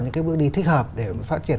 những cái bước đi thích hợp để phát triển